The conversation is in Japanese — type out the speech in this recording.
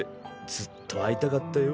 ずっと会いたかったよ。